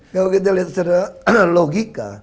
kalau kita lihat secara logika